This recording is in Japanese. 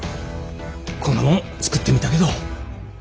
こんなもの作ってみたけど。